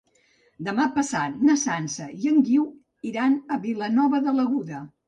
Demà passat na Sança i en Guiu iran a Vilanova de l'Aguda.